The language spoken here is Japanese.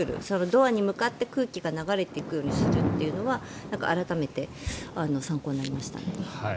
ドアに向かって空気が流れていくようにするというのは改めて参考になりましたね。